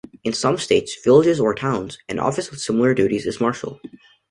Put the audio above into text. In some states, villages or towns, an office with similar duties is marshal.